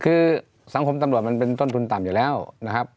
คือสังคมตำรวจมันเป็นต้นทุนต่ำอยู่แล้วนะครับ